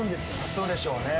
そうでしょうね